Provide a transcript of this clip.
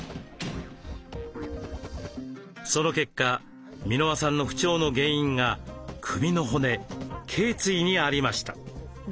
その結果箕輪さんの不調の原因が首の骨けい椎にありました。